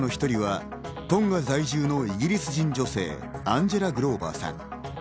犠牲者の１人はトンガ在住のイギリス人女性、アンジェラ・グローバーさん。